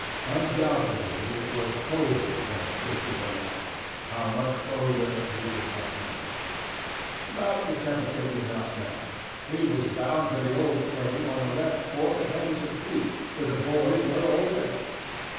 Undoubtedly it was colder than fifty below—how much colder he did not know. But the temperature did not matter. He was bound for the old claim on the left fork of Henderson Creek, where the boys were already.